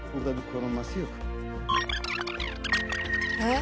えっ？